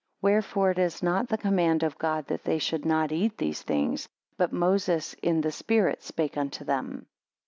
Wherefore it is not the command of God that they should not eat these things; but Moses in the spirit spake unto them.